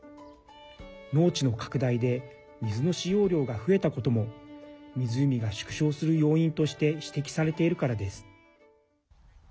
農地の拡大で水の使用量が増えたことも湖が縮小する要因として指摘されているからです。